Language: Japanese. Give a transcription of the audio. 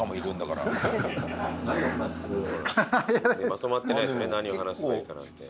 まとまってないですよね何を話せばいいかなんて。